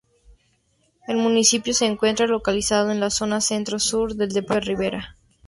El municipio se encuentra localizado en la zona centro-sur del departamento de Rivera.